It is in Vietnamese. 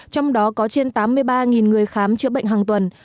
trong đó có trên tám mươi ba người khám chữa bệnh hàng tuần